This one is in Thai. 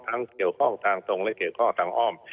เกี่ยวข้องทางตรงและเกี่ยวข้องทางอ้อม